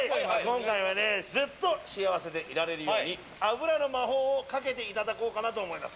今回はずっと幸せでいられるように脂の魔法をかけていただこうかなと思います。